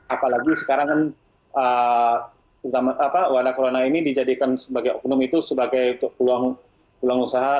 apalagi sekarang kan wadah corona ini dijadikan sebagai oknum itu sebagai peluang usaha